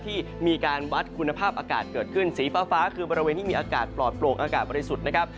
ที่มีการวัดคุณภาพอากาศเกิดขึ้นสีฟ้าคือบริเวณที่มีอากาศปลอดโปรกอากาศบริสุทธิ์นะครับ